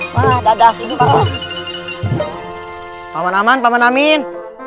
paman aman dan paman amin